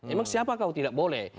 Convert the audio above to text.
emang siapa kau tidak boleh